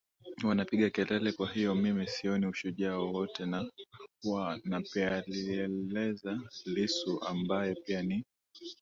wanapiga kelele Kwahiyo mimi sioni ushujaa wowote wa Napealieleza Lissu ambaye pia ni